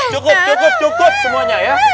cukup cukup semuanya ya